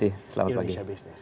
terima kasih selamat pagi